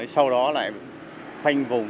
sau đó lại khoanh vùng